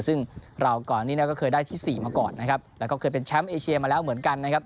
ซึ่งเราก่อนนี้เนี่ยก็เคยได้ที่สี่มาก่อนนะครับแล้วก็เคยเป็นแชมป์เอเชียมาแล้วเหมือนกันนะครับ